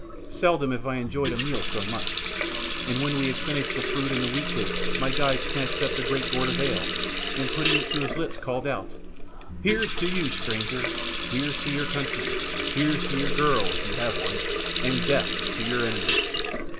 Seldom have I enjoyed a meal so much, and when we had finished the fruit and the wheat cake my guide snatched up the great gourd of ale, and putting it to his lips called out: "Here's to you, stranger; here's to your country; here's to your girl, if you have one, and death to your enemies!"